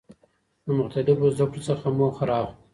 د مختلفو زده کړو څخه موخه را اخلو.